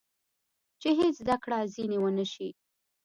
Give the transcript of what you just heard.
چې هېڅ زده کړه ځینې ونه شي.